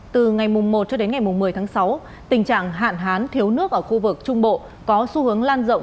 từ ngày một một mươi tháng sáu tình trạng hạn hán thiếu nước ở khu vực trung bộ có xu hướng lan rộng